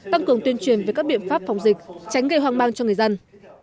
tăng cường tuyên truyền về các biện pháp phòng dịch tránh gây hoang mang cho người dân